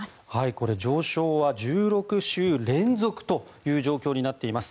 これ、上昇は１６週連続という状況になっています。